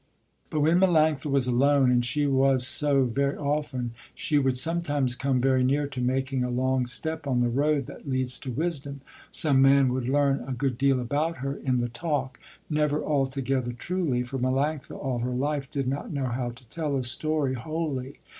But when Melanctha was alone, and she was so, very often, she would sometimes come very near to making a long step on the road that leads to wisdom. Some man would learn a good deal about her in the talk, never altogether truly, for Melanctha all her life did not know how to tell a story wholly.